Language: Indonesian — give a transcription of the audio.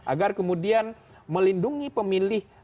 agar kemudian melindungi pemilih